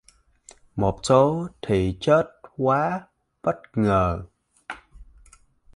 Một số thì chết quá bất ngờ